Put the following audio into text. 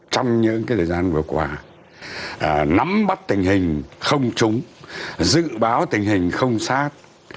trong những thời gian vừa qua nắm bắt tình hình không trúng dự báo tình hình không sát